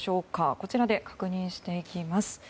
こちらで確認していきます。